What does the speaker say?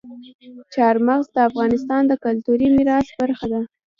چار مغز د افغانستان د کلتوري میراث برخه ده.